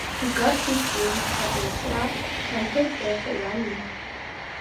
He got his debut for the club and played there for one year.